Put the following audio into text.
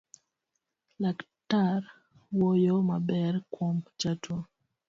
Laktar wuoyo maber kuom jatuo